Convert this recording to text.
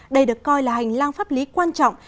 đây được coi là hành lang pháp lý quan trọng